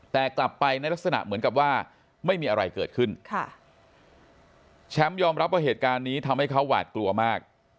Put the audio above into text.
แต่กลับไปในลักษณะเหมือนกับว่าไม่มีอะไรเกิดขึ้นค่ะแชมป์ยอมรับว่าเหตุการณ์นี้ทำให้เขาหวาดกลัวมาก